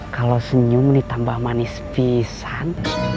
kalau senyum ditambah manis pisang